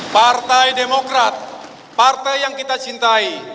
partai demokrat partai yang kita cintai